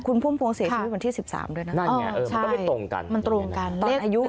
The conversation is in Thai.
คุณพุ่มพวงเสียชีวิตวันที่๑๓ด้วยนะครับตอนอายุ๓๑ปีด้วยนะนี่เห็นมั้ย